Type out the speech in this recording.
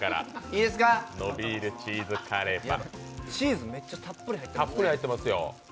チーズ、めっちゃたっぷり入ってますね。